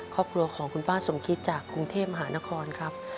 ครอบครัวของคุณป้าสมคิดจากกรุงเทพมหานครครับ